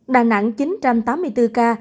đà nẵng chín trăm tám mươi bốn ca